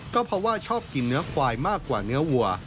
ก็เพราะว่าชอบกินเนื้อควายมากกว่าเนื้อวัว